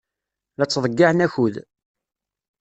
La ttḍeyyiɛen akud.